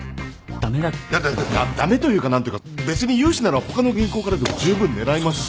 だだだ駄目というか何というか別に融資なら他の銀行からでもじゅうぶん狙えますし。